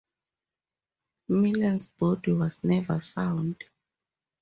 Milne's body was never found.